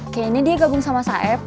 kayaknya dia gabung sama saib